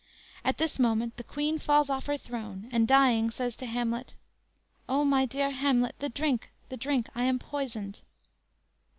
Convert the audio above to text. At this moment the Queen falls off her throne, and dying, says to Hamlet: _"O, my dear Hamlet; the drink, the drink; I am poisoned!"